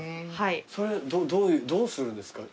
それどういうどうするんですか？